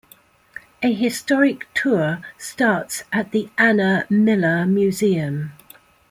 A historic tour starts at the Anna Miller Museum.